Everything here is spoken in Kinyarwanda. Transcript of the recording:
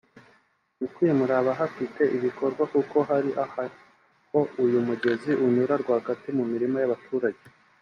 ni kwimura abahafite ibikorwa kuko hari aho uyu mugezi unyura rwagati mu mirima y’abaturage